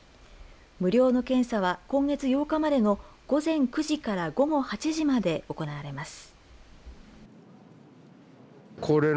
無料の検査は今月８日までの午前９時から午後８時まで行われます。